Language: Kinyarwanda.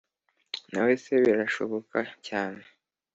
nawe se birashoboka cyane